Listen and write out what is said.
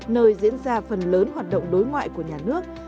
nơi diễn ra phần lớn hoạt động đối ngoại của nhà nước